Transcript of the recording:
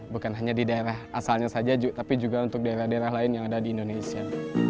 bukan hanya di daerah asalnya saja tapi juga untuk daerah daerah lain yang ada di indonesia